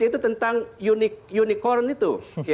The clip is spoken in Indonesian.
itu tentang unicorn itu